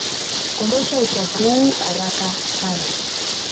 Ondosha uchafu huu haraka sana.